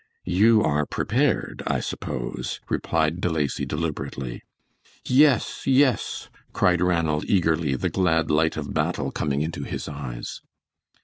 "You are prepared, I suppose," replied De Lacy, deliberately. "Yes! Yes!" cried Ranald, eagerly, the glad light of battle coming into his eyes.